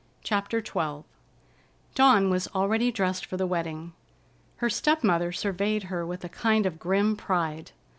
CHAPTER XII Dawn was already dressed for the wedding. Her step mother surveyed her with a kind of grim pride.